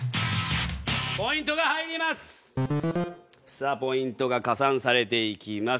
さあポイントが加算されていきます。